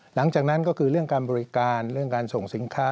หลังจากนั้นก็คือเรื่องการบริการเรื่องการส่งสินค้า